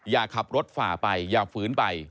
อย่าขับรถฝ่าไปอย่าฝืนไป